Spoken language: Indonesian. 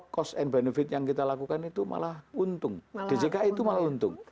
cost and benefit yang kita lakukan itu malah untung djki itu malah untung